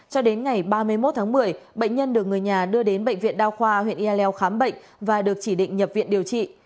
cho đến ngày ba mươi một tháng một mươi bệnh nhân được người nhà đưa đến bệnh viện đa khoa huyện ea leo khám bệnh và được chỉ định nhập viện điều trị